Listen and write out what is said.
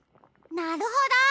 なるほど！